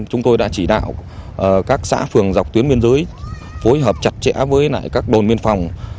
chúng tôi đã chỉ đạo các xã phường dọc tuyến biên giới phối hợp chặt chẽ với các đồn biên phòng